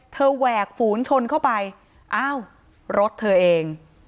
แหวกฝูนชนเข้าไปอ้าวรถเธอเอง